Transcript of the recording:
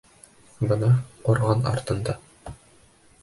Бына, ҡорған артында!